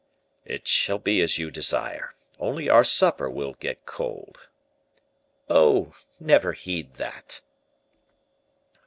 "It shall be as you desire, only our supper will get cold." "Oh! never heed that."